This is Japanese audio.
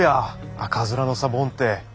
赤面のサボンて！